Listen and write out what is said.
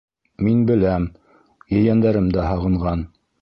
Мин беләм: ейәндәрем дә һағынған.